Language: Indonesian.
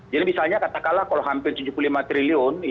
jadi misalnya katakanlah kalau hampir tujuh puluh lima triliun